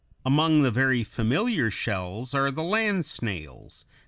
] Among the very familiar shells are the land snails (Fig.